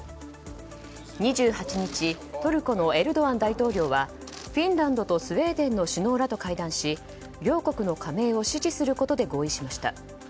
２８日、トルコのエルドアン大統領はフィンランドとスウェーデンの首脳らと会談し、両国の加盟を支持することで同意しました。